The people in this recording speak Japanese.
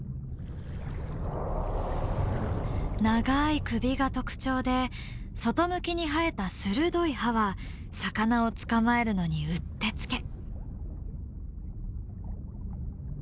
長い首が特徴で外向きに生えた鋭い歯は魚を捕まえるのにうってつけ。